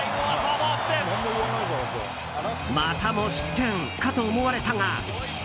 またも失点かと思われたが。